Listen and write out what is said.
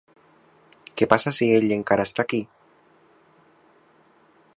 Què passa si ell encara està aquí?